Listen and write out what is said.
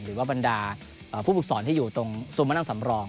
หรือว่าบรรดาผู้ปลูกศรที่อยู่ตรงสมนักนักสำรอง